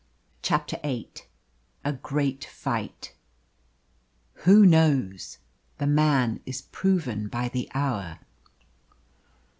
CHAPTER VIII. A GREAT FIGHT. Who knows? The man is proven by the hour.